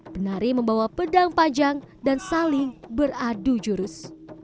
penari membawa pedang panjang dan saling beradu jurus